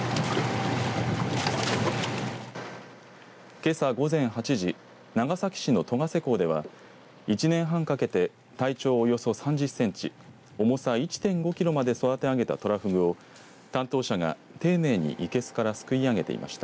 けさ午前８時長崎市の戸ヶ瀬港では１年半かけて体長およそ３０センチ重さ１．５キロまで育て上げたとらふぐを担当者が丁寧に生けすからすくい上げていました。